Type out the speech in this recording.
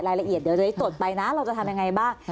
รายละเอียดเดี๋ยวจะได้ตรวจไปนะเราจะทำยังไงบ้าง